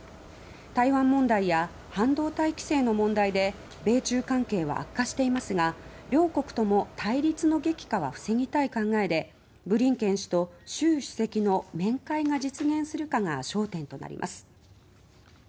台湾問題や半導体規制の問題で米中関係は悪化していますが両国とも対立の激化は防ぎたい考えでブリンケン氏と習主席の面会が実現するかが焦点となります。